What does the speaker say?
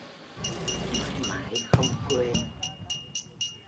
Mãi mãi không quên